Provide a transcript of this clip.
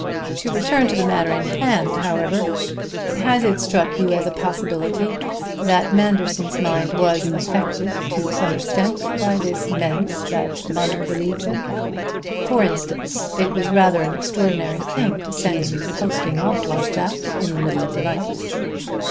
To return to the matter in hand, however: has it struck you as a possibility that Manderson's mind was affected to some extent by this menace that Bunner believes in? For instance, it was rather an extraordinary thing to send you posting off like that in the middle of the night."